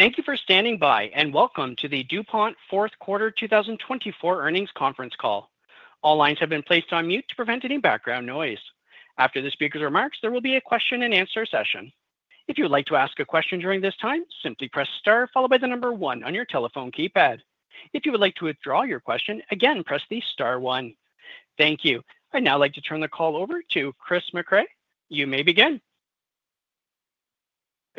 Thank you for standing by, and Welcome to the DuPont Fourth Quarter 2024 Earnings Conference Call. All lines have been placed on mute to prevent any background noise. After the speaker's remarks, there will be a question-and-answer session. If you would like to ask a question during this time, simply press star, followed by the number one on your telephone keypad. If you would like to withdraw your question, again, press the star one. Thank you. I'd now like to turn the call over to Chris Mecray. You may begin.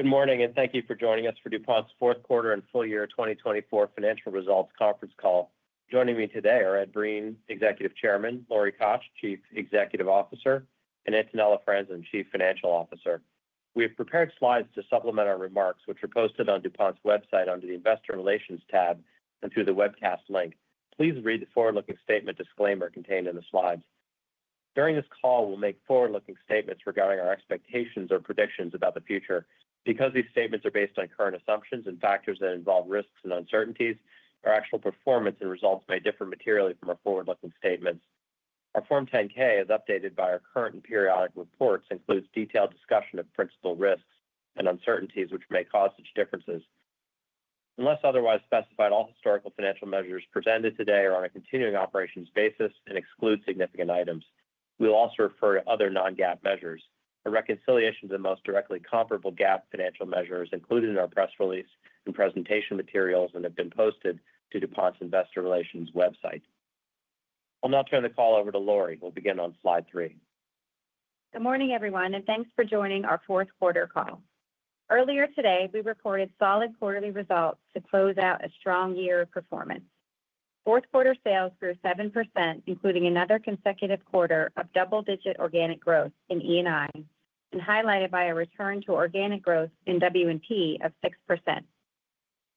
Good morning, and thank you for joining us for DuPont's Fourth Quarter and Full Year 2024 Financial Results Conference Call. Joining me today are Ed Breen, Executive Chairman, Lori Koch, Chief Executive Officer, and Antonella Franzen, Chief Financial Officer. We have prepared slides to supplement our remarks, which are posted on DuPont's website under the Investor Relations tab and through the webcast link. Please read the forward-looking statement disclaimer contained in the slides. During this call, we'll make forward-looking statements regarding our expectations or predictions about the future. Because these statements are based on current assumptions and factors that involve risks and uncertainties, our actual performance and results may differ materially from our forward-looking statements. Our Form 10-K, as updated by our current and periodic reports, includes detailed discussion of principal risks and uncertainties which may cause such differences. Unless otherwise specified, all historical financial measures presented today are on a continuing operations basis and exclude significant items. We will also refer to other non-GAAP measures. A reconciliation of the most directly comparable GAAP financial measures is included in our press release and presentation materials and has been posted to DuPont's Investor Relations website. I'll now turn the call over to Lori, who will begin on Slide 3. Good morning, everyone, and thanks for joining our Fourth Quarter Call. Earlier today, we reported solid quarterly results to close out a strong year of performance. Fourth Quarter sales grew 7%, including another consecutive quarter of double-digit organic growth in E&I, and highlighted by a return to organic growth in W&P of 6%.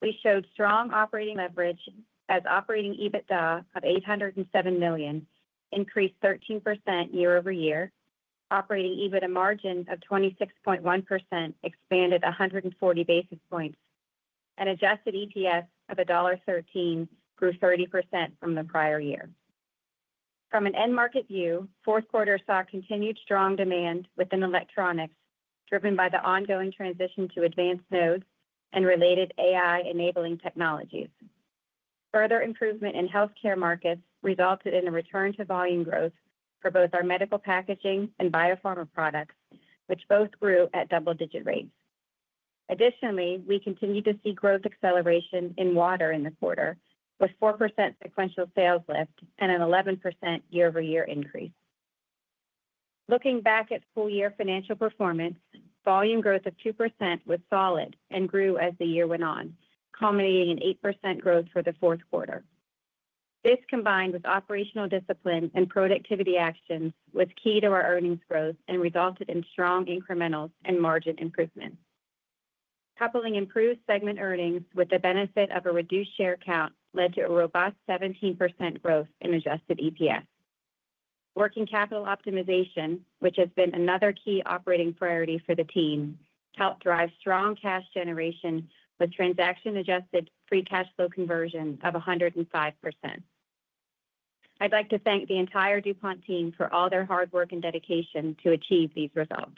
We showed strong operating leverage as operating EBITDA of $807 million increased 13% year-over-year, operating EBITDA margin of 26.1% expanded 140 basis points, and adjusted EPS of $1.13 grew 30% from the prior year. From an end-market view, Fourth Quarter saw continued strong demand within Electronics, driven by the ongoing transition to advanced nodes and related AI-enabling technologies. Further improvement in healthcare markets resulted in a return to volume growth for both our medical packaging and biopharma products, which both grew at double-digit rates. Additionally, we continued to see growth acceleration in water in the quarter, with 4% sequential sales lift and an 11% year-over-year increase. Looking back at full-year financial performance, volume growth of 2% was solid and grew as the year went on, culminating in 8% growth for the fourth quarter. This, combined with operational discipline and productivity actions, was key to our earnings growth and resulted in strong incrementals and margin improvements. Coupling improved segment earnings with the benefit of a reduced share count led to a robust 17% growth in Adjusted EPS. Working capital optimization, which has been another key operating priority for the team, helped drive strong cash generation with Transaction-Adjusted Free Cash Flow conversion of 105%. I'd like to thank the entire DuPont team for all their hard work and dedication to achieve these results.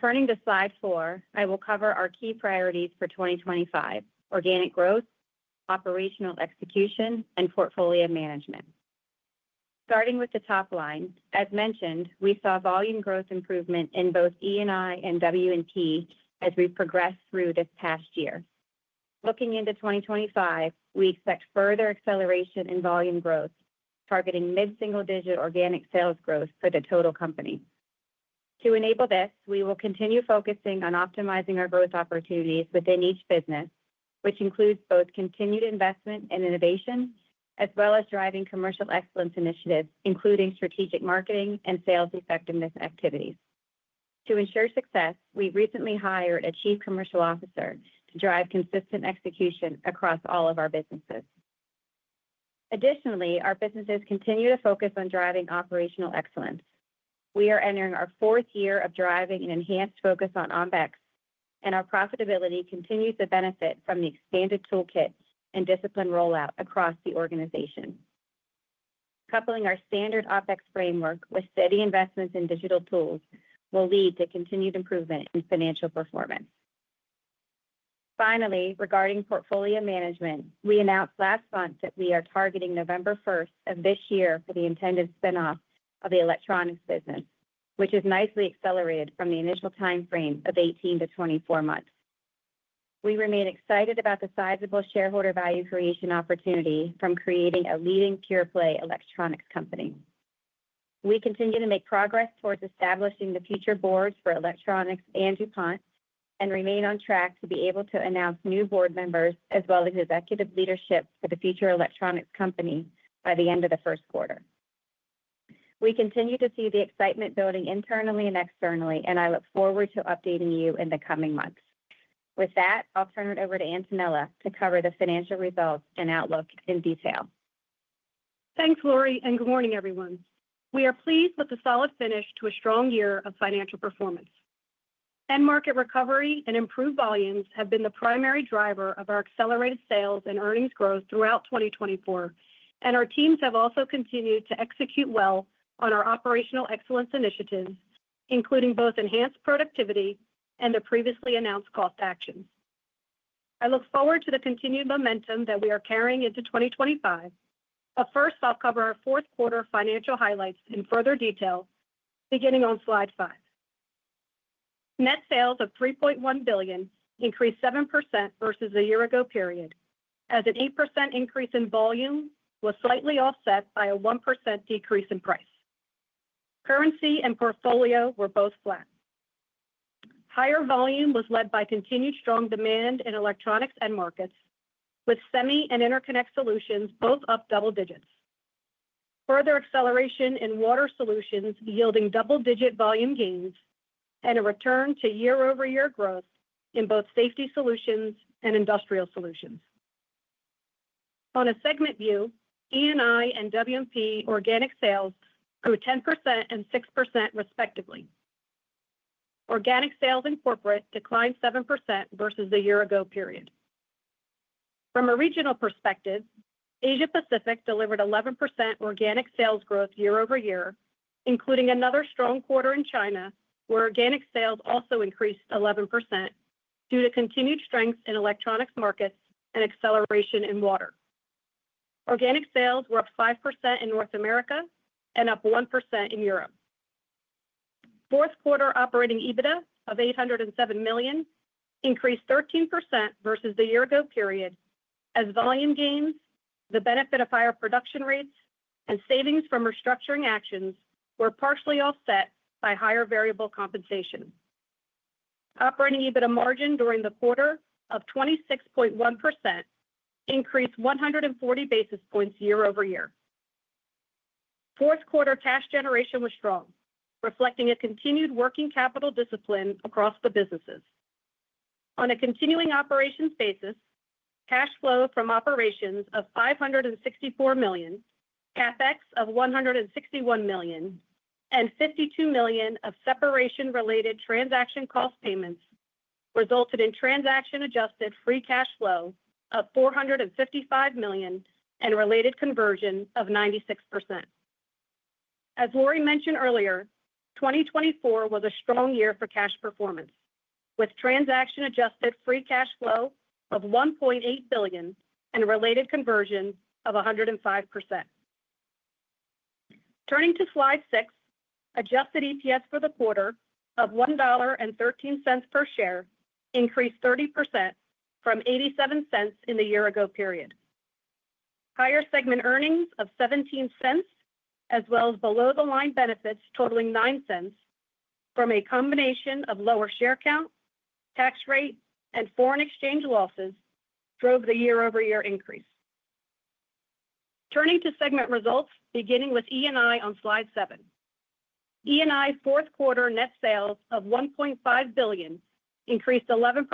Turning to Slide 4, I will cover our key priorities for 2025: organic growth, operational execution, and portfolio management. Starting with the top line, as mentioned, we saw volume growth improvement in both E&I and W&P as we progressed through this past year. Looking into 2025, we expect further acceleration in volume growth, targeting mid-single-digit organic sales growth for the total company. To enable this, we will continue focusing on optimizing our growth opportunities within each business, which includes both continued investment and innovation, as well as driving commercial excellence initiatives, including strategic marketing and sales effectiveness activities. To ensure success, we recently hired a Chief Commercial Officer to drive consistent execution across all of our businesses. Additionally, our businesses continue to focus on driving operational excellence. We are entering our fourth year of driving an enhanced focus on OpEx, and our profitability continues to benefit from the expanded toolkit and discipline rollout across the organization. Coupling our standard OpEx framework with steady investments in digital tools will lead to continued improvement in financial performance. Finally, regarding portfolio management, we announced last month that we are targeting November 1st of this year for the intended spinoff of the electronics business, which is nicely accelerated from the initial timeframe of 18-24 months. We remain excited about the sizable shareholder value creation opportunity from creating a leading pure-play electronics company. We continue to make progress towards establishing the future boards for electronics and DuPont and remain on track to be able to announce new board members as well as executive leadership for the future electronics company by the end of the first quarter. We continue to see the excitement building internally and externally, and I look forward to updating you in the coming months. With that, I'll turn it over to Antonella to cover the financial results and outlook in detail. Thanks, Lori, and good morning, everyone. We are pleased with the solid finish to a strong year of financial performance. End-market recovery and improved volumes have been the primary driver of our accelerated sales and earnings growth throughout 2024, and our teams have also continued to execute well on our operational excellence initiatives, including both enhanced productivity and the previously announced cost actions. I look forward to the continued momentum that we are carrying into 2025. But first, I'll cover our fourth quarter financial highlights in further detail beginning on Slide 5. Net sales of $3.1 billion increased 7% versus the year-ago period, as an 8% increase in volume was slightly offset by a 1% decrease in price. Currency and portfolio were both flat. Higher volume was led by continued strong demand in electronics end markets, with Semi and Interconnect Solutions both up double digits. Further acceleration in Water Solutions yielding double-digit volume gains and a return to year-over-year growth in both Safety Solutions and Industrial Solutions. On a segment view, E&I and W&P organic sales grew 10% and 6% respectively. Organic sales in corporate declined 7% versus the year-ago period. From a regional perspective, Asia-Pacific delivered 11% organic sales growth year-over-year, including another strong quarter in China, where organic sales also increased 11% due to continued strength in electronics markets and acceleration in water. Organic sales were up 5% in North America and up 1% in Europe. Fourth quarter Operating EBITDA of $807 million increased 13% versus the year-ago period, as volume gains, the benefit of higher production rates, and savings from restructuring actions were partially offset by higher variable compensation. Operating EBITDA margin during the quarter of 26.1% increased 140 basis points year-over-year. Fourth quarter cash generation was strong, reflecting a continued working capital discipline across the businesses. On a continuing operations basis, cash flow from operations of $564 million, CapEx of $161 million, and $52 million of separation-related transaction cost payments resulted in transaction-adjusted free cash flow of $455 million and related conversion of 96%. As Lori mentioned earlier, 2024 was a strong year for cash performance, with transaction-adjusted free cash flow of $1.8 billion and related conversion of 105%. Turning to Slide 6, adjusted EPS for the quarter of $1.13 per share increased 30% from $0.87 in the year-ago period. Higher segment earnings of $0.17, as well as below-the-line benefits totaling $0.09, from a combination of lower share count, tax rate, and foreign exchange losses, drove the year-over-year increase. Turning to segment results, beginning with E&I on Slide 7. E&I's fourth quarter net sales of $1.5 billion increased 11%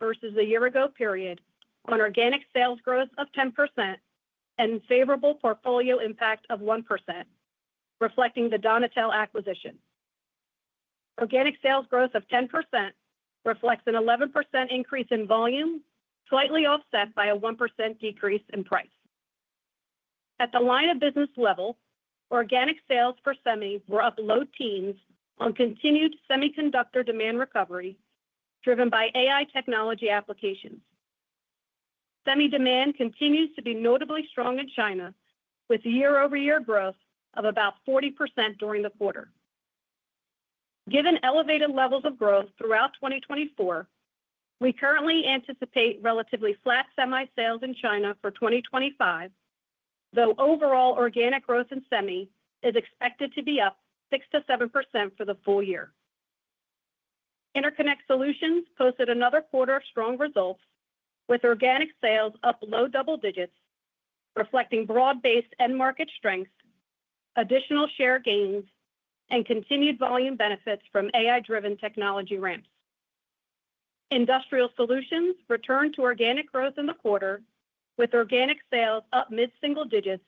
versus the year-ago period, on organic sales growth of 10% and favorable portfolio impact of 1%, reflecting the Donatelle acquisition. Organic sales growth of 10% reflects an 11% increase in volume, slightly offset by a 1% decrease in price. At the line-of-business level, organic sales for semi were up low teens on continued semiconductor demand recovery driven by AI technology applications. Semi demand continues to be notably strong in China, with year-over-year growth of about 40% during the quarter. Given elevated levels of growth throughout 2024, we currently anticipate relatively flat semi sales in China for 2025, though overall organic growth in semi is expected to be up 6% to 7% for the full year. Interconnect Solutions posted another quarter of strong results, with organic sales up low double digits, reflecting broad-based end-market strength, additional share gains, and continued volume benefits from AI-driven technology ramps. Industrial Solutions returned to organic growth in the quarter, with organic sales up mid-single digits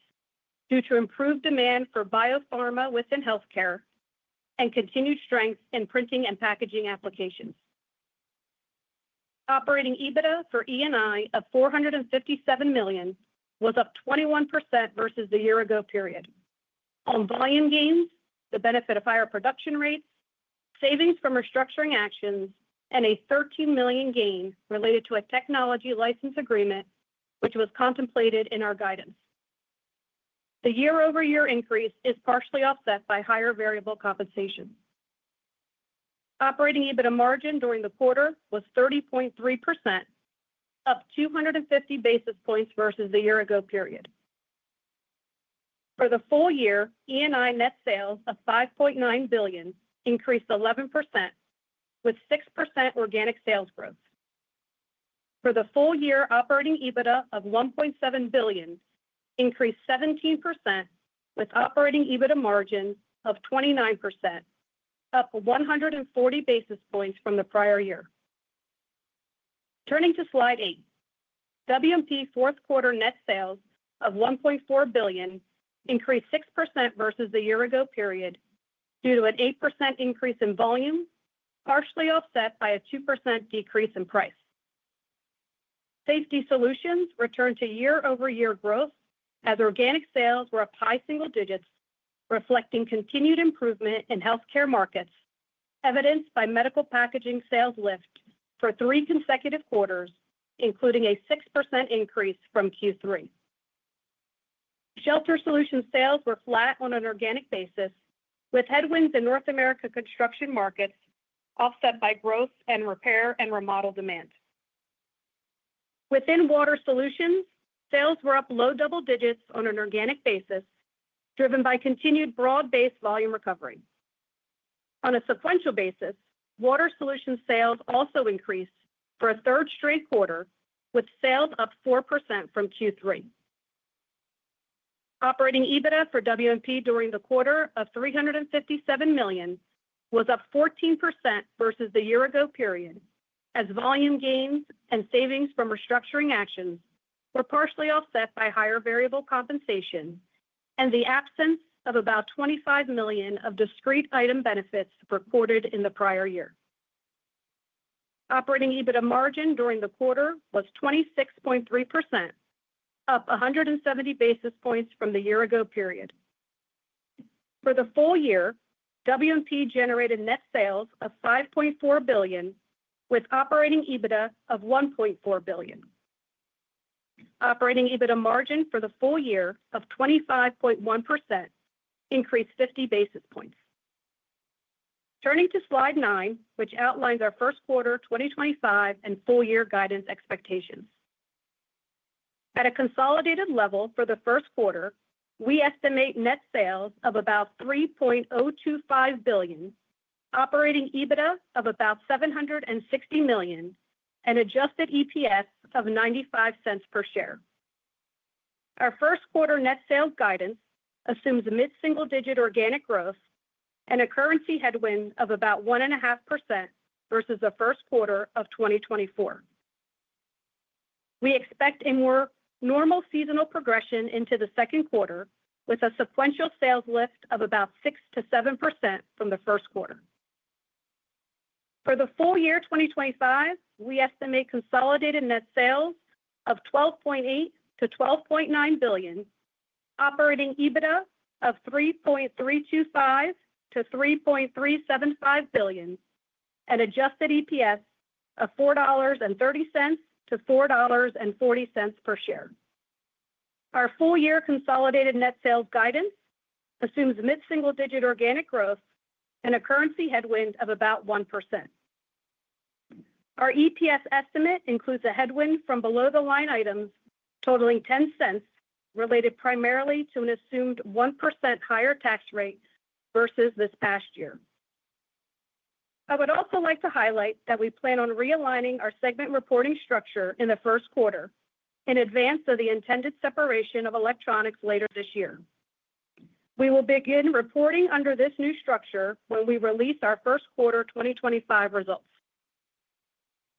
due to improved demand for biopharma within healthcare and continued strength in printing and packaging applications. Operating EBITDA for E&I of $457 million was up 21% versus the year-ago period, on volume gains, the benefit of higher production rates, savings from restructuring actions, and a $13 million gain related to a technology license agreement, which was contemplated in our guidance. The year-over-year increase is partially offset by higher variable compensation. Operating EBITDA margin during the quarter was 30.3%, up 250 basis points versus the year-ago period. For the full year, E&I net sales of $5.9 billion increased 11%, with 6% organic sales growth. For the full year, operating EBITDA of $1.7 billion increased 17%, with operating EBITDA margin of 29%, up 140 basis points from the prior year. Turning to Slide 8, W&P Fourth Quarter net sales of $1.4 billion increased 6% versus the year-ago period due to an 8% increase in volume, partially offset by a 2% decrease in price. Safety Solutions returned to year-over-year growth as organic sales were up high single digits, reflecting continued improvement in healthcare markets, evidenced by medical packaging sales lift for three consecutive quarters, including a 6% increase from Q3. Shelter Solutions sales were flat on an organic basis, with headwinds in North America construction markets offset by growth and repair and remodel demand. Within Water Solutions, sales were up low double digits on an organic basis, driven by continued broad-based volume recovery. On a sequential basis, Water Solutions sales also increased for a third straight quarter, with sales up 4% from Q3. Operating EBITDA for W&P during the quarter of $357 million was up 14% versus the year-ago period, as volume gains and savings from restructuring actions were partially offset by higher variable compensation and the absence of about $25 million of discrete item benefits recorded in the prior year. Operating EBITDA margin during the quarter was 26.3%, up 170 basis points from the year-ago period. For the full year, W&P generated net sales of $5.4 billion, with operating EBITDA of $1.4 billion. Operating EBITDA margin for the full year of 25.1% increased 50 basis points. Turning to Slide 9, which outlines our first quarter 2025 and Full Year guidance expectations. At a consolidated level for the first quarter, we estimate net sales of about $3.025 billion, operating EBITDA of about $760 million, and adjusted EPS of $0.95 per share. Our first quarter net sales guidance assumes mid-single digit organic growth and a currency headwind of about 1.5% versus the first quarter of 2024. We expect a more normal seasonal progression into the second quarter, with a sequential sales lift of about 6%-7% from the first quarter. For the full year 2025, we estimate consolidated net sales of $12.8-$12.9 billion, operating EBITDA of $3.325-$3.375 billion, and adjusted EPS of $4.30-$4.40 per share. Our full year consolidated net sales guidance assumes mid-single digit organic growth and a currency headwind of about 1%. Our EPS estimate includes a headwind from below-the-line items totaling $0.10, related primarily to an assumed 1% higher tax rate versus this past year. I would also like to highlight that we plan on realigning our segment reporting structure in the first quarter in advance of the intended separation of electronics later this year. We will begin reporting under this new structure when we release our first quarter 2025 results.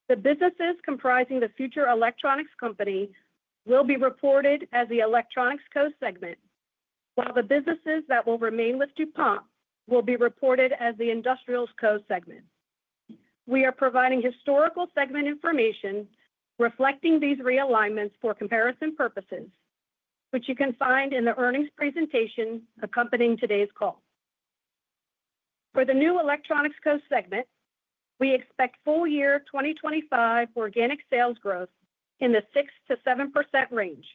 The businesses comprising the future Electronics Company will be reported as the Electronics Co-segment, while the businesses that will remain with DuPont will be reported as the Industrials Co-segment. We are providing historical segment information reflecting these realignments for comparison purposes, which you can find in the earnings presentation accompanying today's call. For the New Electronics Co-segment, we expect full year 2025 organic sales growth in the 6%-7% range.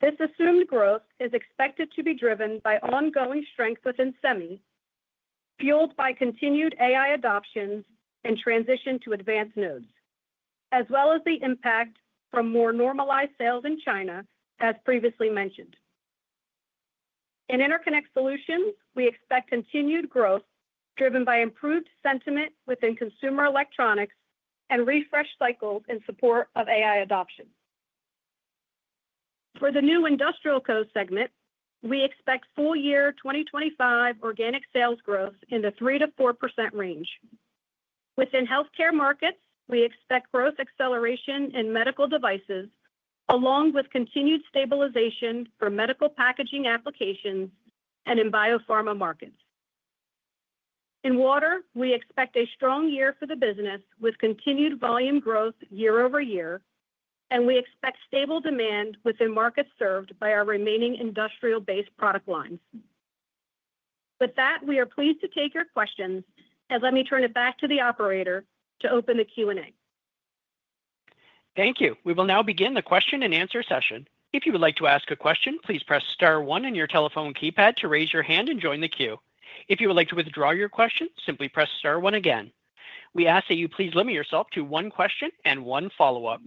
This assumed growth is expected to be driven by ongoing strength within semi, fueled by continued AI adoptions and transition to advanced nodes, as well as the impact from more normalized sales in China, as previously mentioned. In Interconnect Solutions, we expect continued growth driven by improved sentiment within consumer electronics and refresh cycles in support of AI adoption. For the new Industrial Co-segment, we expect full year 2025 organic sales growth in the 3%-4% range. Within healthcare markets, we expect growth acceleration in medical devices, along with continued stabilization for medical packaging applications and in biopharma markets. In water, we expect a strong year for the business with continued volume growth year-over-year, and we expect stable demand within markets served by our remaining industrial-based product lines. With that, we are pleased to take your questions, and let me turn it back to the operator to open the Q&A. Thank you. We will now begin the question and answer session. If you would like to ask a question, please press star one on your telephone keypad to raise your hand and join the queue. If you would like to withdraw your question, simply press star one again. We ask that you please limit yourself to one question and one follow-up.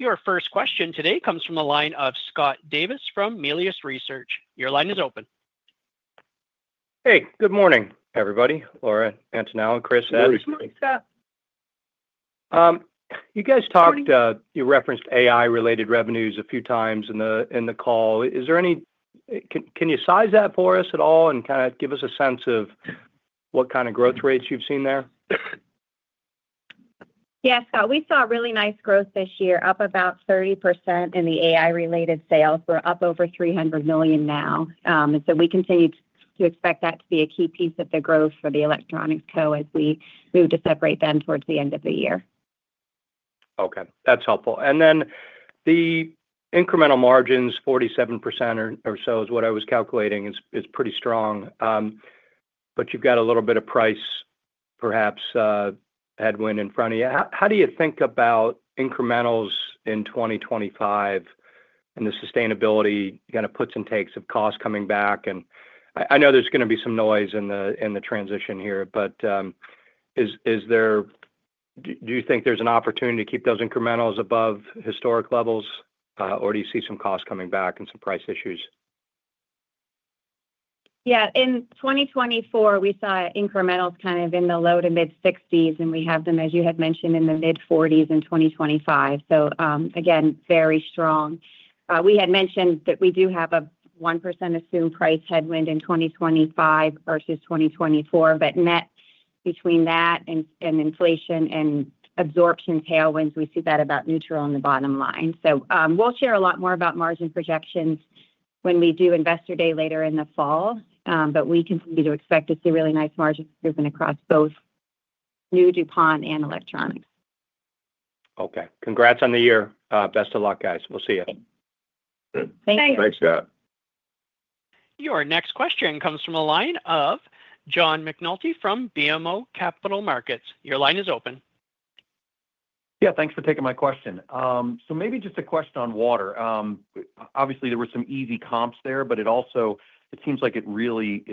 Your first question today comes from the line of Scott Davis from Melius Research. Your line is open. Hey, good morning, everybody. Lori, Antonella, Chris, Ed. Good morning, Scott. You guys talked—you referenced AI-related revenues a few times in the call. Is there any—can you size that for us at all and kind of give us a sense of what kind of growth rates you've seen there? Yeah, Scott, we saw really nice growth this year, up about 30% in the AI-related sales. We're up over $300 million now. And so we continue to expect that to be a key piece of the growth for the electronics co as we move to separate them towards the end of the year. Okay. That's helpful. And then the incremental margins, 47% or so is what I was calculating, is pretty strong. But you've got a little bit of price, perhaps, headwind in front of you. How do you think about incrementals in 2025 and the sustainability, kind of puts and takes of cost coming back? And I know there's going to be some noise in the transition here, but do you think there's an opportunity to keep those incrementals above historic levels, or do you see some cost coming back and some price issues? Yeah. In 2024, we saw incrementals kind of in the low to mid-60s, and we have them, as you had mentioned, in the mid-40s in 2025. So again, very strong. We had mentioned that we do have a 1% assumed price headwind in 2025 versus 2024, but net between that and inflation and absorption tailwinds, we see that about neutral on the bottom line. So we'll share a lot more about margin projections when we do Investor Day later in the fall, but we continue to expect to see really nice margins moving across both New DuPont and electronics. Okay. Congrats on the year. Best of luck, guys. We'll see you. Thanks. Thanks, Scott. Your next question comes from the line of John McNulty from BMO Capital Markets. Your line is open. Yeah, thanks for taking my question. So maybe just a question on water. Obviously, there were some easy comps there, but it also seems like it really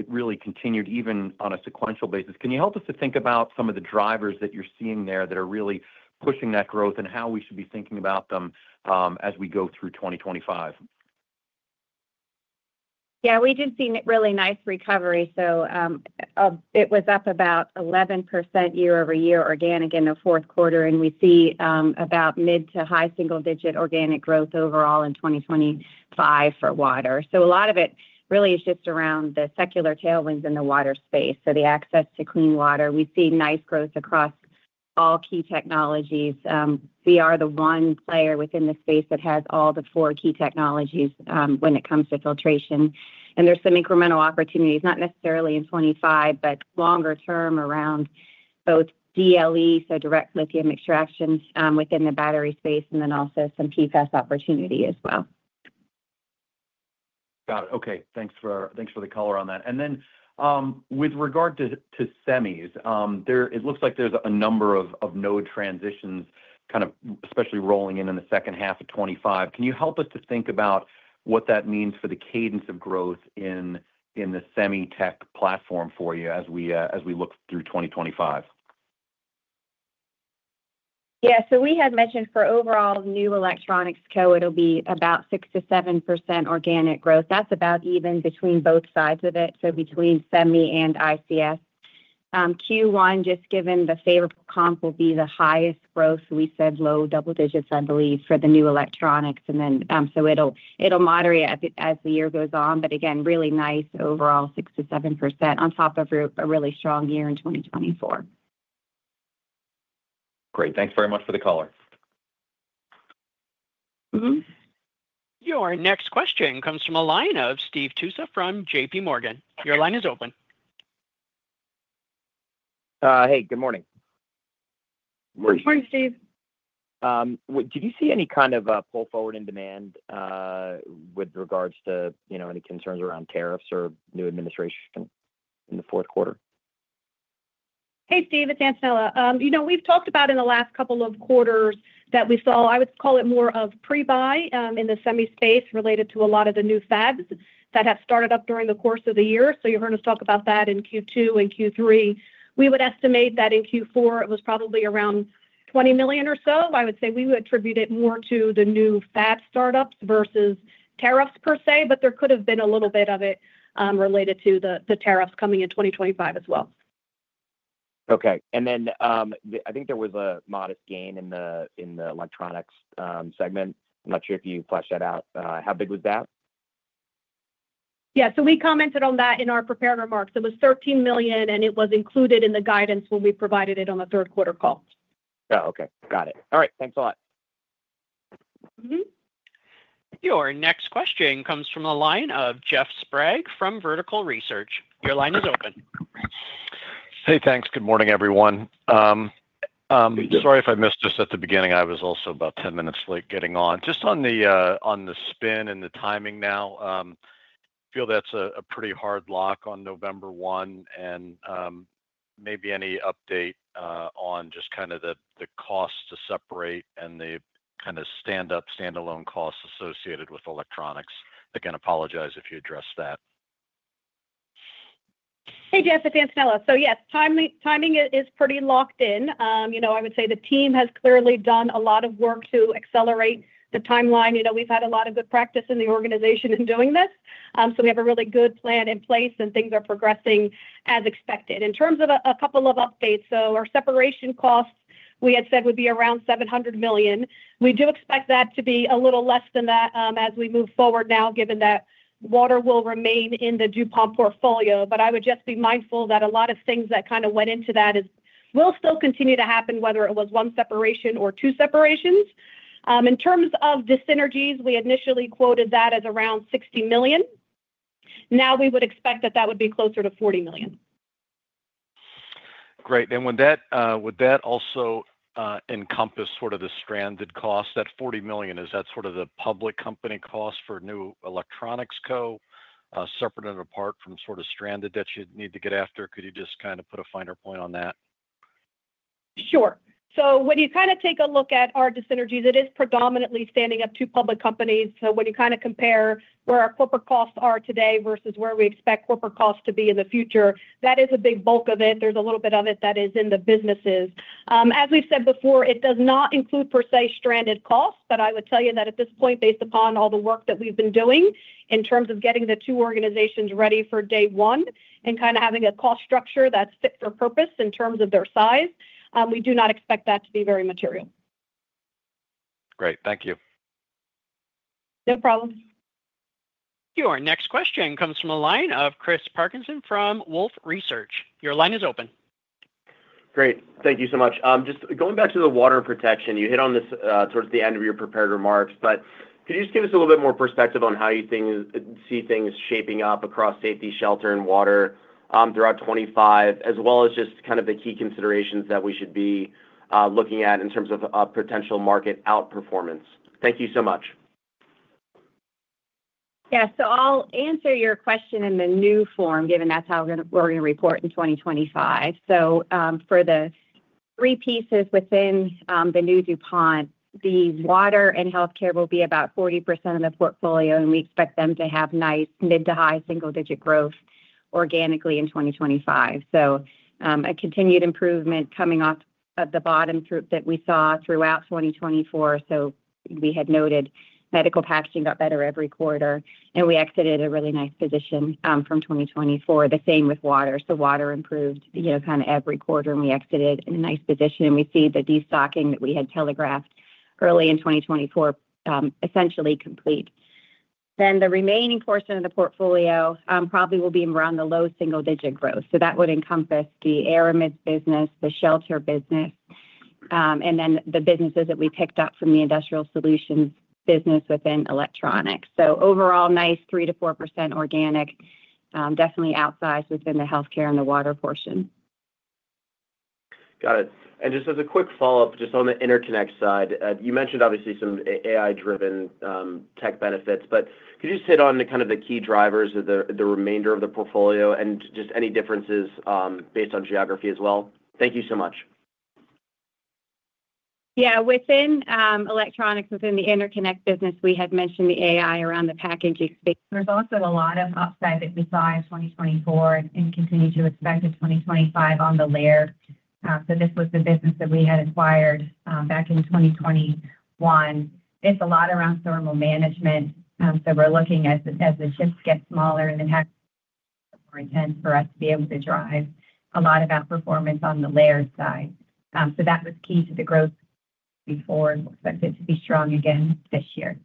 continued even on a sequential basis. Can you help us to think about some of the drivers that you're seeing there that are really pushing that growth and how we should be thinking about them as we go through 2025? Yeah, we did see really nice recovery. So it was up about 11% year-over-year organic in the fourth quarter, and we see about mid to high single-digit organic growth overall in 2025 for water. So a lot of it really is just around the secular tailwinds in the water space, so the access to clean water. We see nice growth across all key technologies. We are the one player within the space that has all the four key technologies when it comes to filtration. And there's some incremental opportunities, not necessarily in 2025, but longer term around both DLE, so direct lithium extraction within the battery space, and then also some PFAS opportunity as well. Got it. Okay. Thanks for the color on that. And then with regard to semis, it looks like there's a number of node transitions, kind of especially rolling in in the second half of 2025. Can you help us to think about what that means for the cadence of growth in the Semi-Tech platform for you as we look through 2025? Yeah. So we had mentioned for overall new electronics growth, it'll be about 6%-7% organic growth. That's about even between both sides of it, so between semi and ICS. Q1, just given the favorable comp, will be the highest growth. We said low double digits, I believe, for the new electronics. And then so it'll moderate as the year goes on, but again, really nice overall 6%-7% on top of a really strong year in 2024. Great. Thanks very much for the color. Your next question comes from a line of Steve Tusa from JPMorgan. Your line is open. Hey, good morning. Morning. Morning, Steve. Did you see any kind of pull forward in demand with regards to any concerns around tariffs or new administration in the fourth quarter? Hey, Steve, it's Antonella. We've talked about in the last couple of quarters that we saw. I would call it more of pre-buy in the semi space related to a lot of the new fabs that have started up during the course of the year. So you heard us talk about that in Q2 and Q3. We would estimate that in Q4 it was probably around $20 million or so. I would say we would attribute it more to the new fab startups versus tariffs per se, but there could have been a little bit of it related to the tariffs coming in 2025 as well. Okay. And then I think there was a modest gain in the electronics segment. I'm not sure if you fleshed that out. How big was that? Yeah. So we commented on that in our prepared remarks. It was $13 million, and it was included in the guidance when we provided it on the third quarter call. Oh, okay. Got it. All right. Thanks a lot. Your next question comes from a line of Jeff Sprague from Vertical Research Partners. Your line is open. Hey, thanks. Good morning, everyone. Sorry if I missed just at the beginning. I was also about 10 minutes late getting on. Just on the spin and the timing now, I feel that's a pretty hard lock on November 1 and maybe any update on just kind of the cost to separate and the kind of stand-up, stand-alone costs associated with electronics. Again, apologize if you addressed that. Hey, Jeff. It's Antonella. So yes, timing is pretty locked in. I would say the team has clearly done a lot of work to accelerate the timeline. We've had a lot of good practice in the organization in doing this. So we have a really good plan in place, and things are progressing as expected. In terms of a couple of updates, so our separation costs, we had said would be around $700 million. We do expect that to be a little less than that as we move forward now, given that water will remain in the DuPont portfolio. But I would just be mindful that a lot of things that kind of went into that will still continue to happen, whether it was one separation or two separations. In terms of the synergies, we initially quoted that as around $60 million. Now we would expect that that would be closer to $40 million. Great. And would that also encompass sort of the stranded costs? That $40 million, is that sort of the public company cost for new electronics co, separate and apart from sort of stranded that you need to get after? Could you just kind of put a finer point on that? Sure. So when you kind of take a look at our synergies, it is predominantly standing up two public companies. So when you kind of compare where our corporate costs are today versus where we expect corporate costs to be in the future, that is a big bulk of it. There's a little bit of it that is in the businesses. As we've said before, it does not include per se stranded costs, but I would tell you that at this point, based upon all the work that we've been doing in terms of getting the two organizations ready for day one and kind of having a cost structure that's fit for purpose in terms of their size, we do not expect that to be very material. Great. Thank you. No problem. Your next question comes from a line of Chris Parkinson from Wolfe Research. Your line is open. Great. Thank you so much. Just going back to the water and protection, you hit on this towards the end of your prepared remarks, but could you just give us a little bit more perspective on how you see things shaping up across safety, shelter, and water throughout 2025, as well as just kind of the key considerations that we should be looking at in terms of potential market outperformance? Thank you so much. Yeah. So I'll answer your question in the new form, given that's how we're going to report in 2025. So for the three pieces within the new DuPont, the water and healthcare will be about 40% of the portfolio, and we expect them to have nice mid to high single-digit growth organically in 2025. So a continued improvement coming off of the bottom that we saw throughout 2024. So we had noted medical packaging got better every quarter, and we exited a really nice position from 2024. The same with water. So water improved kind of every quarter, and we exited in a nice position. And we see the de-stocking that we had telegraphed early in 2024 essentially complete. Then the remaining portion of the portfolio probably will be around the low single-digit growth. So that would encompass the aramids business, the shelter business, and then the businesses that we picked up from the industrial solutions business within electronics. So overall, nice 3%-4% organic, definitely outsized within the healthcare and the water portion. Got it. And just as a quick follow-up, just on the interconnect side, you mentioned obviously some AI-driven tech benefits, but could you just hit on kind of the key drivers of the remainder of the portfolio and just any differences based on geography as well? Thank you so much. Yeah. Within electronics, within the interconnect business, we had mentioned the AI around the packaging space. There's also a lot of upside that we saw in 2024 and continue to expect in 2025 on the Laird. So this was the business that we had acquired back in 2021. It's a lot around thermal management. So we're looking as the chips get smaller and then have more intent for us to be able to drive a lot of outperformance on the Laird side. So that was key to the growth before and expected to be strong again this year.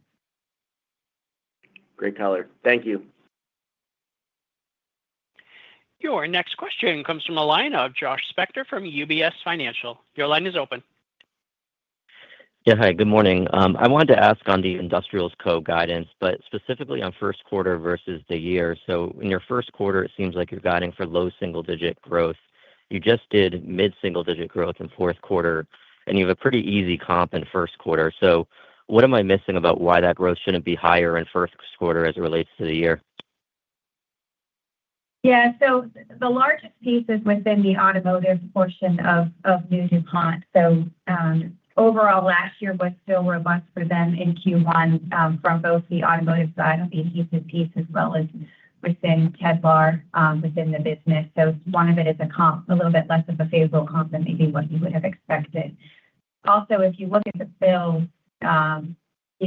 Great color. Thank you. Your next question comes from a line of Josh Spector from UBS Financial. Your line is open. Yeah. Hi, good morning. I wanted to ask on the industrials co guidance, but specifically on first quarter versus the year. So in your first quarter, it seems like you're guiding for low single-digit growth. You just did mid-single-digit growth in fourth quarter, and you have a pretty easy comp in first quarter. So what am I missing about why that growth shouldn't be higher in first quarter as it relates to the year? Yeah. So the largest piece is within the automotive portion of new DuPont. So overall, last year was still robust for them in Q1 from both the automotive side of the adhesive piece as well as within Kevlar within the business. So one of them is a comp, a little bit less of a phase-up comp than maybe what you would have expected. Also, if you look at the builds,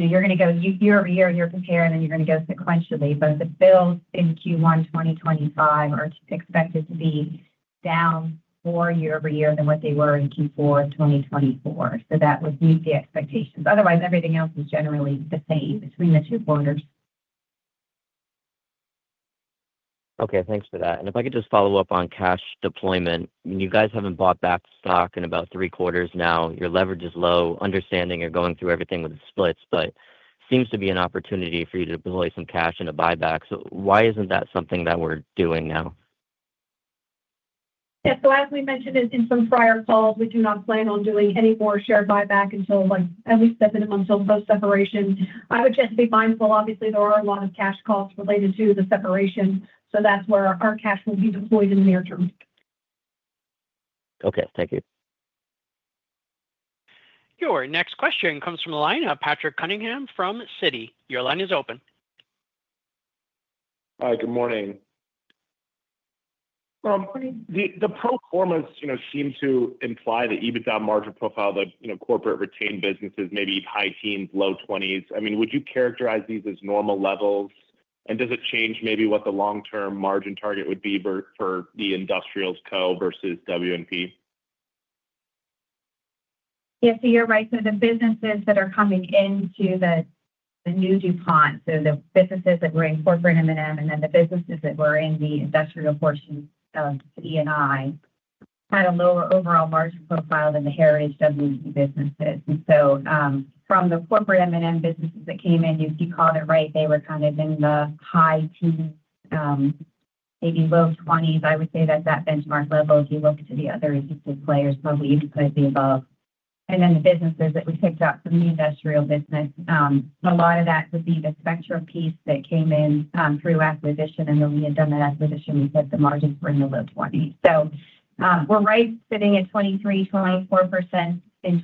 you're going to go year-over-year and quarter compare, and then you're going to go sequentially. But the builds in Q1 2025 are expected to be down 4% year-over-year than what they were in Q4 2024. So that would meet the expectations. Otherwise, everything else is generally the same between the two quarters. Okay. Thanks for that, and if I could just follow up on cash deployment. You guys haven't bought back stock in about three quarters now. Your leverage is low. I understand you're going through everything with splits, but it seems to be an opportunity for you to deploy some cash and a buyback. So why isn't that something that we're doing now? Yeah. So as we mentioned in some prior calls, we do not plan on doing any more share buyback until at least the moment of the separation. I would just be mindful. Obviously, there are a lot of cash costs related to the separation. So that's where our cash will be deployed in the near term. Okay. Thank you. Your next question comes from a line of Patrick Cunningham from Citi. Your line is open. Hi, good morning. The pro forma performance seemed to imply the EBITDA margin profile, the corporate retained businesses, maybe high teens, low 20s. I mean, would you characterize these as normal levels? And does it change maybe what the long-term margin target would be for the industrials co versus W&P? Yes, So you're right. The businesses that are coming into the new DuPont, so the businesses that were in corporate M&M and then the businesses that were in the industrial portion of E&I had a lower overall margin profile than the heritage W&P businesses. And so from the corporate M&M businesses that came in, if you caught it right, they were kind of in the high teens, maybe low 20s. I would say that that benchmark level, if you look to the other existing players, probably you could put the above. And then the businesses that we picked up from the industrial business, a lot of that would be the Spectrum piece that came in through acquisition. And when we had done that acquisition, we said the margins were in the low 20s. So we're right sitting at 23%-24% in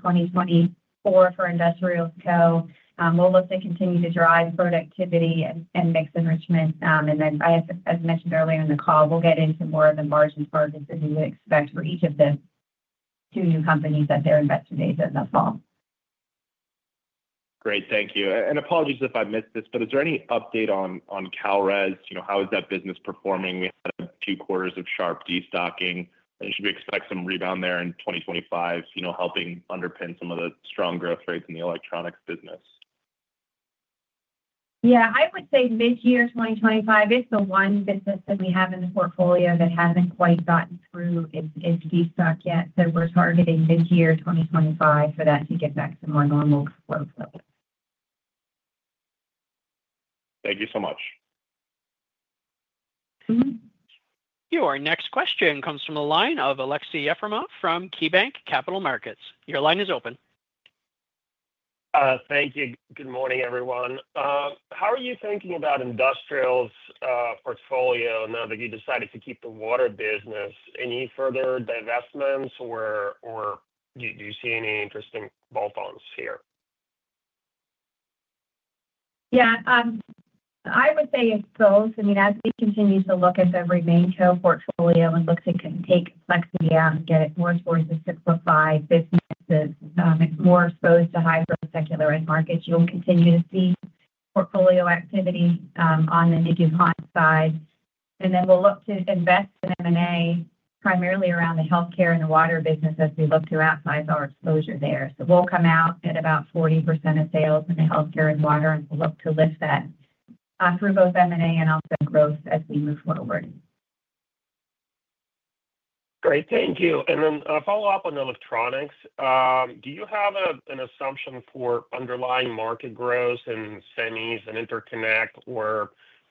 2024 for industrials co. We'll look to continue to drive productivity and mix enrichment. And then, as mentioned earlier in the call, we'll get into more of the margin targets that we would expect for each of the two new companies that they're investing in in the fall. Great. Thank you. And apologies if I missed this, but is there any update on Kalrez? How is that business performing? We had a few quarters of sharp de-stocking. Should we expect some rebound there in 2025 helping underpin some of the strong growth rates in the electronics business? Yeah. I would say mid-year 2025 is the one business that we have in the portfolio that hasn't quite gotten through its de-stock yet. So we're targeting mid-year 2025 for that to get back to more normal growth levels. Thank you so much. Your next question comes from a line of Aleksey Yefremov from KeyBank Capital Markets. Your line is open. Thank you. Good morning, everyone. How are you thinking about industrials portfolio now that you decided to keep the water business? Any further divestments, or do you see any interesting bolt-ons here? Yeah. I would say it's both. I mean, as we continue to look at the remaining core portfolio and look to take flexibility out and get it more towards the simplified businesses, more exposed to high growth secular end markets, you'll continue to see portfolio activity on the new DuPont side. And then we'll look to invest in M&A primarily around the healthcare and the water business as we look to outsize our exposure there. So we'll come out at about 40% of sales in the healthcare and water, and we'll look to lift that through both M&A and also growth as we move forward. Great. Thank you. And then a follow-up on electronics. Do you have an assumption for underlying market growth in semis and interconnect or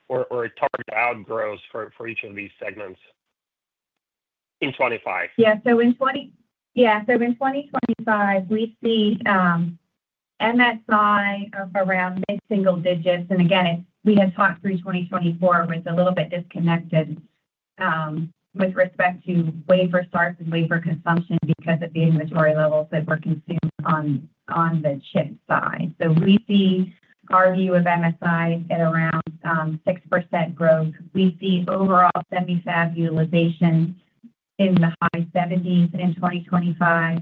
target outgrowth for each of these segments in 2025? Yeah. So in 2025, we see MSI of around mid-single digits. And again, we had talked through 2024 with a little bit disconnected with respect to wafer starts and wafer consumption because of the inventory levels that were consumed on the chip side. So we see our view of MSI at around 6% growth. We see overall semi-fab utilization in the high 70s in 2025.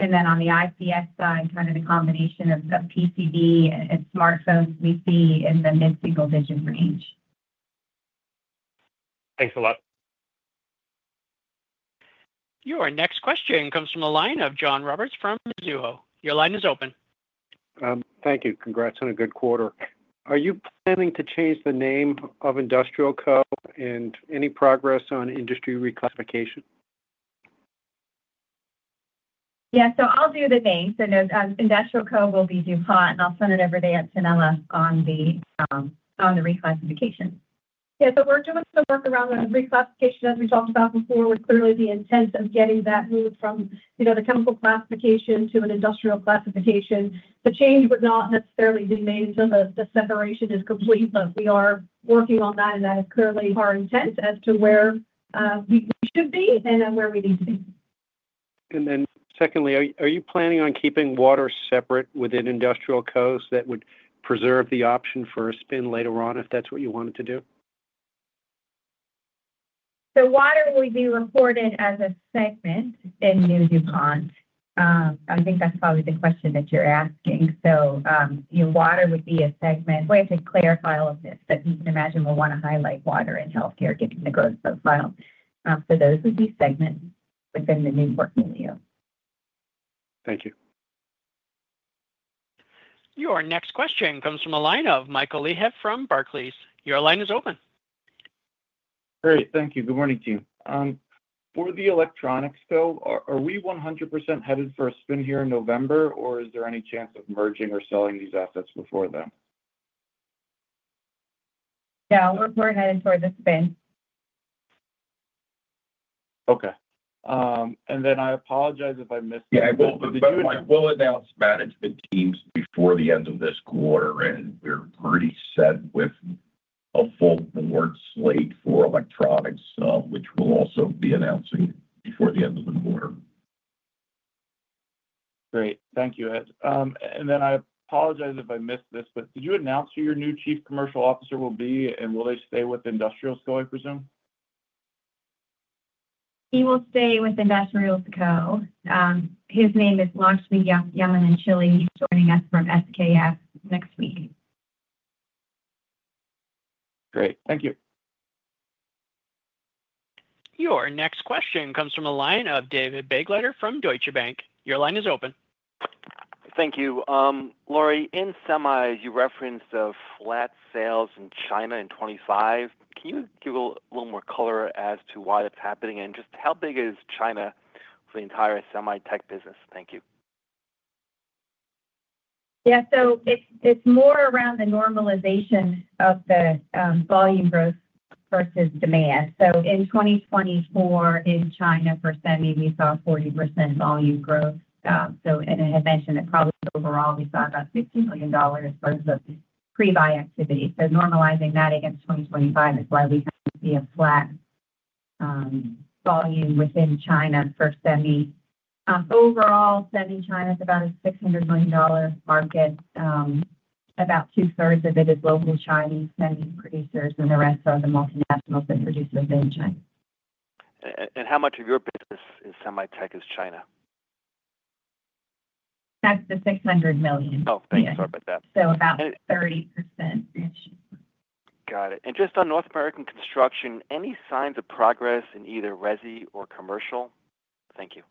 And then on the ICS side, kind of the combination of PCB and smartphones, we see in the mid-single digit range. Thanks a lot. Your next question comes from a line of John Roberts from Mizuho. Your line is open. Thank you. Congrats on a good quarter. Are you planning to change the name of industrial co and any progress on industry reclassification? Yeah. So I'll do the name. So industrial co will be DuPont, and I'll send it over to Antonella on the reclassification. Yeah. So we're doing some work around the reclassification, as we talked about before. We're clearly intent on getting that move from the chemical classification to an industrial classification. The change was not necessarily being made until the separation is complete, but we are working on that, and that is clearly our intent as to where we should be and where we need to be. And then secondly, are you planning on keeping water separate within industrial co that would preserve the option for a spin later on if that's what you wanted to do? So water will be reported as a segment in new DuPont. I think that's probably the question that you're asking. So water would be a segment. We have to clarify all of this, but you can imagine we'll want to highlight water and healthcare getting the growth profile. So those would be segments within the new portfolio. Thank you. Your next question comes from a line of Michael Leithead from Barclays. Your line is open. Great. Thank you. Good morning, team. For the electronics, are we 100% headed for a spin here in November, or is there any chance of merging or selling these assets before then? Yes. We're headed towards a spin. Okay. And then I apologize if I missed it. Yeah. We'll announce management teams before the end of this quarter, and we're pretty set with a full board slate for electronics, which we'll also be announcing before the end of the quarter. Great. Thank you Ed. And I apologize if I missed this, but did you announce who your new chief commercial officer will be, and will they stay with Industrials Co., I presume? He will stay with Industrials Co. His name is Lakshmanan V., joining us from SKF next week. Great. Thank you. Your next question comes from a line of David Begleiter from Deutsche Bank. Your line is open. Thank you. Lori, in semis, you referenced flat sales in China in 2025. Can you give a little more color as to why that's happening and just how big is China for the entire semi tech business? Thank you. Yeah. So it's more around the normalization of the volume growth versus demand. So in 2024, in China for semi, we saw 40% volume growth. So as I had mentioned, it probably overall, we saw about $16 million worth of pre-buy activity. So normalizing that against 2025 is why we kind of see a flat volume within China for semi. Overall, semi China is about a $600 million market. About two-thirds of it is local Chinese semi producers, and the rest are the multinationals that produce within China. And how much of your business is semi tech is China? That's the $600 million. Oh, thanks. Sorry about that. So about 30% is China. Got it. And just on North American construction, any signs of progress in either resi or commercial? Thank you.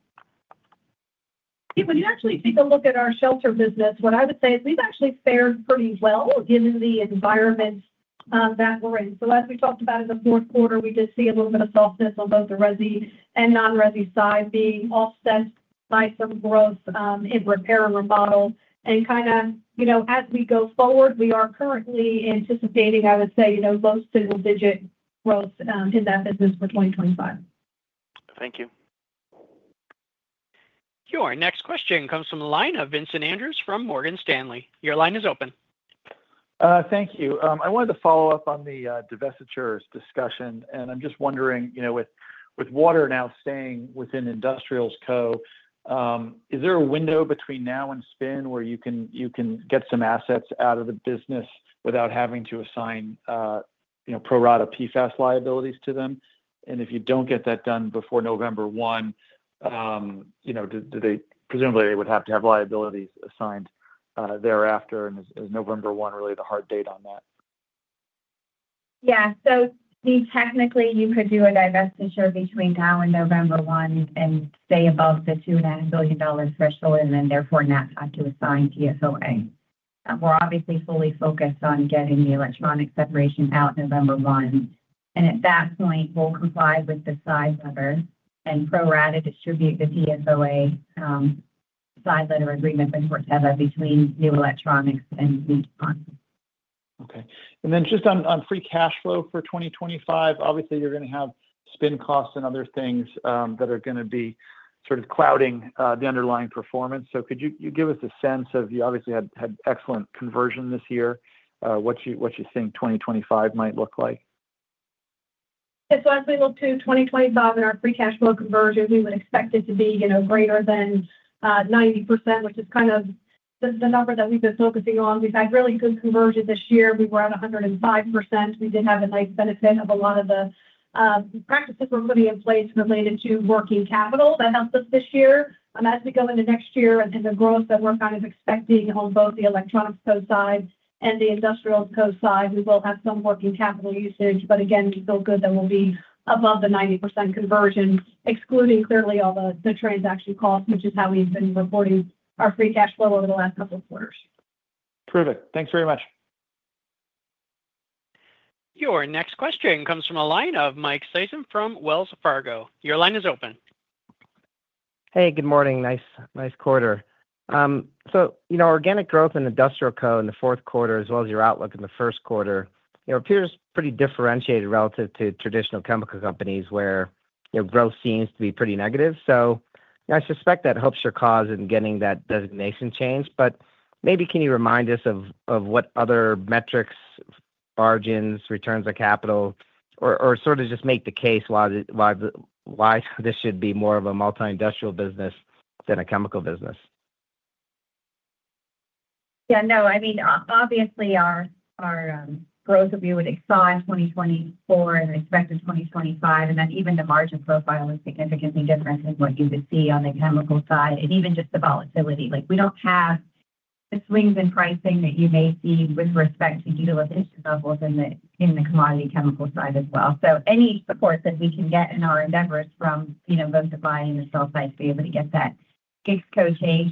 When you actually take a look at our shelter business, what I would say is we've actually fared pretty well given the environment that we're in. So as we talked about in the fourth quarter, we did see a little bit of softness on both the resi and non-resi side being offset by some growth in repair and remodel. And kind of as we go forward, we are currently anticipating, I would say, low single digit growth in that business for 2025. Thank you. Your next question comes from a line of Vincent Andrews from Morgan Stanley. Your line is open. Thank you. I wanted to follow up on the divestitures discussion, and I'm just wondering, with water now staying within industrials co, is there a window between now and spin where you can get some assets out of the business without having to assign pro rata PFAS liabilities to them? And if you don't get that done before November 1, presumably they would have to have liabilities assigned thereafter. And is November 1 really the hard date on that? Yeah. So technically, you could do a divestiture between now and November 1 and stay above the $2.9 billion threshold, and then therefore not have to assign PFOA. We're obviously fully focused on getting the electronics separation out November 1. And at that point, we'll comply with the side letter and pro rata distribute the PFOA side letter agreement between new electronics and DuPont. Okay. And then just on free cash flow for 2025, obviously, you're going to have spin costs and other things that are going to be sort of clouding the underlying performance. So could you give us a sense of you obviously had excellent conversion this year? What do you think 2025 might look like? So as we look to 2025 in our free cash flow conversion, we would expect it to be greater than 90%, which is kind of the number that we've been focusing on. We've had really good conversion this year. We were at 105%. We did have a nice benefit of a lot of the practices we're putting in place related to working capital that helped us this year. As we go into next year and the growth that we're kind of expecting on both the electronics co side and the industrials co side, we will have some working capital usage. But again, we feel good that we'll be above the 90% conversion, excluding clearly all the transaction costs, which is how we've been reporting our free cash flow over the last couple of quarters. Perfect. Thanks very much. Your next question comes from a line of Mike Sison from Wells Fargo. Your line is open. Hey, good morning. Nice quarter. So organic growth in industrial co in the fourth quarter, as well as your outlook in the first quarter, appears pretty differentiated relative to traditional chemical companies where growth seems to be pretty negative. So I suspect that helps your cause in getting that designation change. But maybe can you remind us of what other metrics, margins, returns on capital, or sort of just make the case why this should be more of a multi-industrial business than a chemical business? Yeah. No. I mean, obviously, our growth, we would exit 2024 and expect in 2025. And then even the margin profile is significantly different than what you would see on the chemical side, and even just the volatility. We don't have the swings in pricing that you may see with respect to utilization levels in the commodity chemical side as well. So any support that we can get in our endeavors from both the buying and the sell side to be able to get that GICS change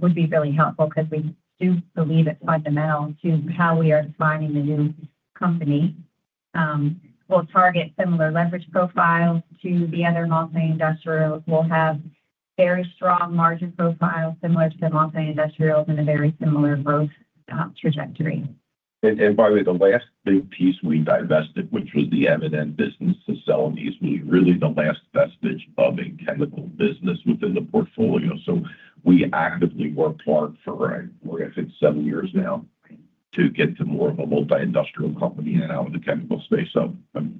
would be really helpful because we do believe it's fundamental to how we are defining the new company. We'll target similar leverage profiles to the other multi-industrials. We'll have very strong margin profiles similar to the multi-industrials and a very similar growth trajectory. And by the way, the last big piece we divested, which was the N&B business, the nutritionals, was really the last vestige of a chemical business within the portfolio. So we actively work hard for, I think, seven years now to get to more of a multi-industrial company and out of the chemical space. So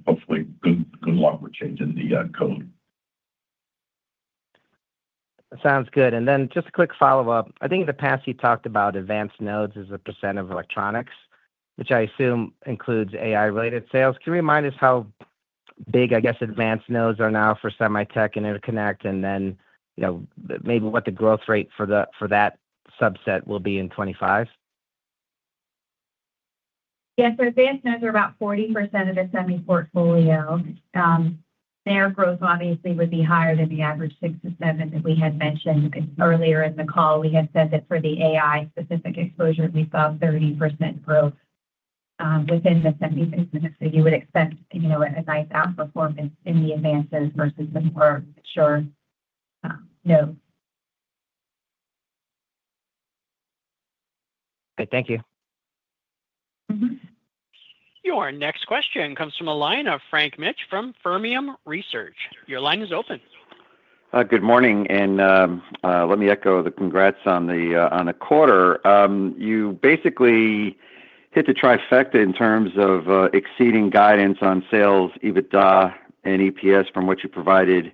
hopefully, good luck with changing the code. Sounds good. And then just a quick follow-up. I think in the past, you talked about advanced nodes as a percent of electronics, which I assume includes AI-related sales. Can you remind us how big, I guess, advanced nodes are now for semi tech and interconnect, and then maybe what the growth rate for that subset will be in 2025? Yeah. So advanced nodes are about 40% of the semi portfolio. Their growth, obviously, would be higher than the average 6-7 that we had mentioned earlier in the call. We had said that for the AI-specific exposure, we saw 30% growth within the semi business. So you would expect a nice outperformance in the advances versus the more mature nodes. Okay. Thank you. Your next question comes from a line of Frank Mitsch from Fermium Research. Your line is open. Good morning, and let me echo the congrats on the quarter. You basically hit the trifecta in terms of exceeding guidance on sales, EBITDA, and EPS from what you provided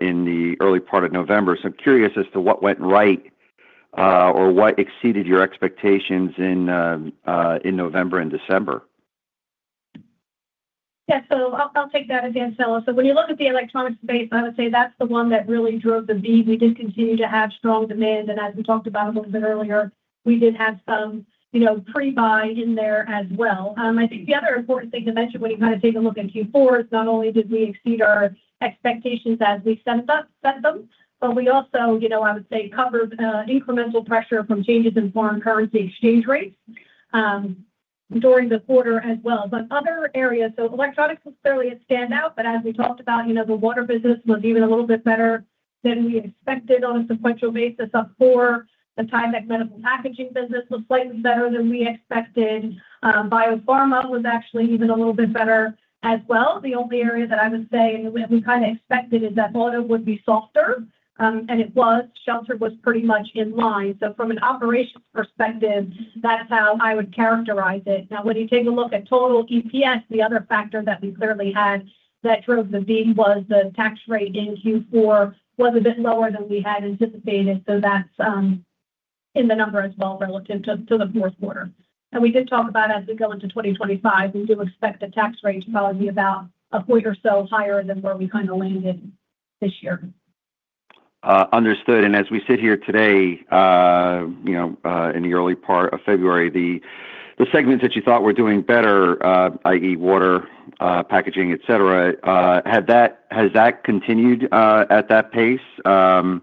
in the early part of November. So I'm curious as to what went right or what exceeded your expectations in November and December. Yeah. So I'll take that again, fellow. So when you look at the electronics space, I would say that's the one that really drove the beat. We did continue to have strong demand. And as we talked about a little bit earlier, we did have some pre-buy in there as well. I think the other important thing to mention when you kind of take a look at Q4 is not only did we exceed our expectations as we set them, but we also, I would say, covered incremental pressure from changes in foreign currency exchange rates during the quarter as well. But other areas, so electronics was clearly a standout, but as we talked about, the water business was even a little bit better than we expected on a sequential basis. Of course, the Tyvek medical packaging business was slightly better than we expected. Biopharma was actually even a little bit better as well. The only area that I would say we kind of expected is that auto would be softer, and it was. Shelter was pretty much in line. So from an operations perspective, that's how I would characterize it. Now, when you take a look at total EPS, the other factor that we clearly had that drove the beat was the tax rate in Q4 was a bit lower than we had anticipated. So that's in the number as well relative to the fourth quarter. We did talk about as we go into 2025, we do expect the tax rate to probably be about a point or so higher than where we kind of landed this year. Understood. As we sit here today in the early part of February, the segments that you thought were doing better, i.e., water, packaging, etc., has that continued at that pace? So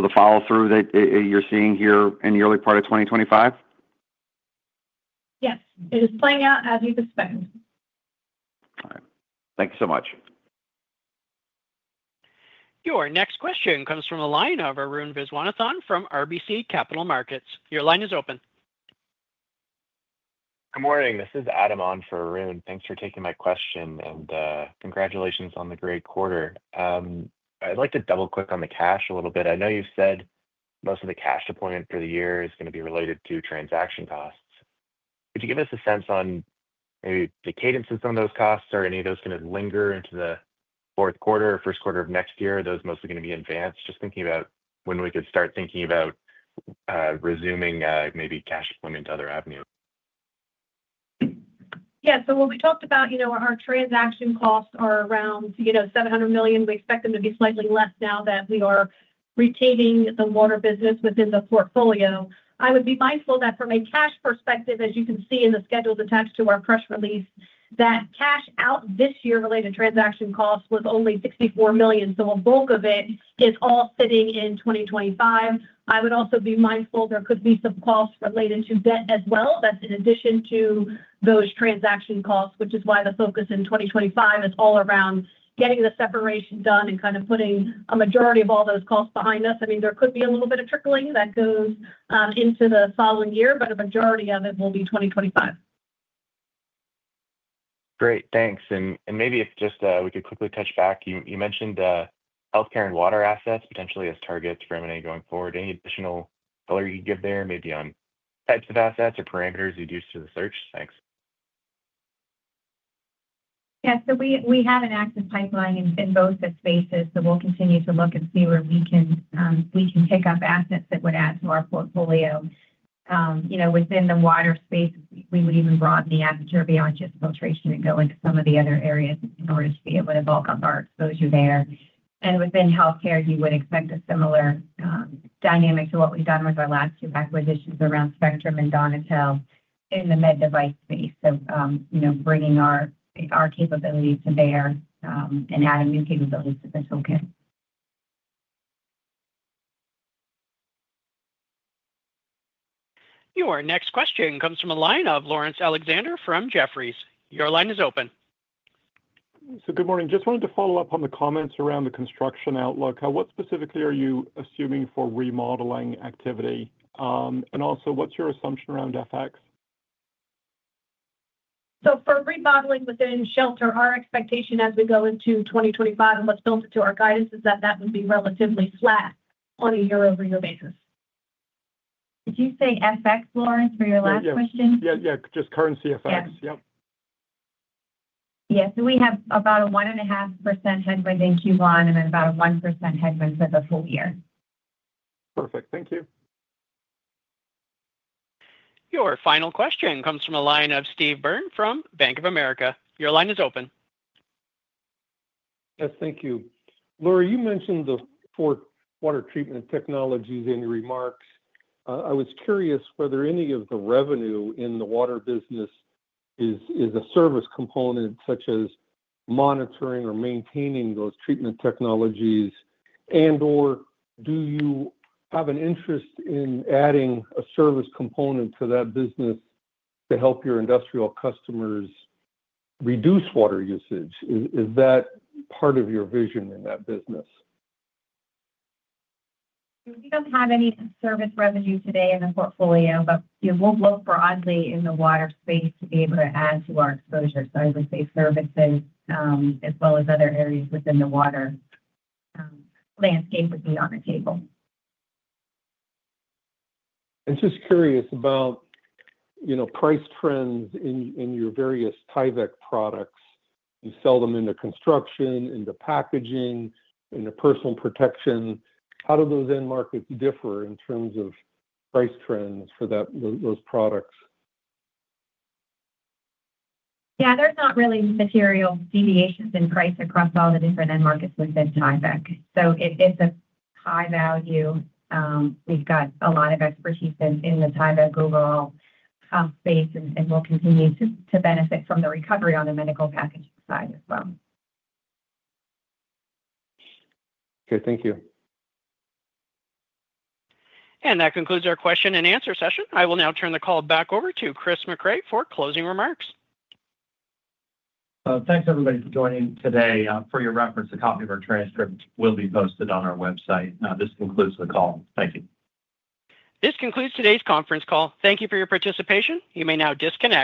the follow-through that you're seeing here in the early part of 2025? Yes. It is playing out as you suspect. All right. Thank you so much. Your next question comes from a line of Arun Viswanathan from RBC Capital Markets. Your line is open. Good morning. This is Adam on for Arun. Thanks for taking my question, and congratulations on the great quarter. I'd like to double-click on the cash a little bit. I know you said most of the cash deployment for the year is going to be related to transaction costs. Could you give us a sense on maybe the cadence of some of those costs? Are any of those going to linger into the fourth quarter or first quarter of next year? Are those mostly going to be advanced? Just thinking about when we could start thinking about resuming maybe cash deployment to other avenues. Yeah. So what we talked about, our transaction costs are around $700 million. We expect them to be slightly less now that we are retaining the water business within the portfolio. I would be mindful that from a cash perspective, as you can see in the schedules attached to our press release, that cash out this year related to transaction costs was only $64 million. So a bulk of it is all sitting in 2025. I would also be mindful there could be some costs related to debt as well. That's in addition to those transaction costs, which is why the focus in 2025 is all around getting the separation done and kind of putting a majority of all those costs behind us. I mean, there could be a little bit of trickling that goes into the following year, but a majority of it will be 2025. Great. Thanks. And maybe if just we could quickly touch base, you mentioned healthcare and water assets potentially as targets for M&A going forward. Any additional color you can give there maybe on types of assets or parameters you'd use for the search? Thanks. Yeah. So we have an active pipeline in both spaces. So we'll continue to look and see where we can pick up assets that would add to our portfolio. Within the water space, we would even broaden the aperture beyond just filtration and go into some of the other areas in order to be able to bulk up our exposure there. And within healthcare, you would expect a similar dynamic to what we've done with our last two acquisitions around Spectrum and Donatelle in the med device space. So bringing our capabilities to bear and adding new capabilities to the toolkit. Your next question comes from a line of Laurence Alexander from Jefferies. Your line is open. So good morning. Just wanted to follow up on the comments around the construction outlook. What specifically are you assuming for remodeling activity? And also, what's your assumption around FX? So for remodeling within shelter, our expectation as we go into 2025 and what's built into our guidance is that that would be relatively flat on a year-over-year basis. Did you say FX, Laurence, for your last question? Yeah. Yeah. Just currency FX. Yep. Yeah. So we have about a 1.5% headwind in Q1 and then about a 1% headwind for the full year. Perfect. Thank you. Your final question comes from a line of Steve Byrne from Bank of America. Your line is open. Yes. Thank you. Lori, you mentioned the fourth water treatment technologies in your remarks. I was curious whether any of the revenue in the water business is a service component such as monitoring or maintaining those treatment technologies, and/or do you have an interest in adding a service component to that business to help your industrial customers reduce water usage? Is that part of your vision in that business? We don't have any service revenue today in the portfolio, but we'll look broadly in the water space to be able to add to our exposure. So I would say services as well as other areas within the water landscape would be on the table. I'm just curious about price trends in your various Tyvek products. You sell them into construction, into packaging, into personal protection. How do those end markets differ in terms of price trends for those products? Yeah. There's not really material deviations in price across all the different end markets within Tyvek. So it's a high value. We've got a lot of expertise in the Tyvek overall space, and we'll continue to benefit from the recovery on the medical packaging side as well. Okay. Thank you. And that concludes our question and answer session. I will now turn the call back over to Chris Mecray for closing remarks. Thanks, everybody, for joining today. For your reference, a copy of our transcript will be posted on our website. This concludes the call. Thank you. This concludes today's conference call. Thank you for your participation. You may now disconnect.